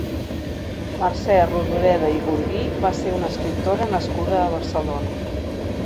Mercè Rodoreda i Gurguí va ser una escriptora nascuda a Barcelona.